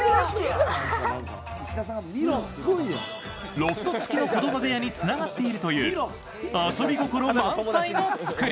ロフト付きの子供部屋につながっているという遊び心満載の作り。